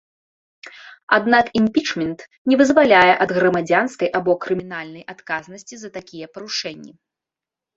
Аднак імпічмент не вызваляе ад грамадзянскай або крымінальнай адказнасці за такія парушэнні.